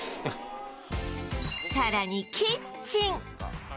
さらにキッチン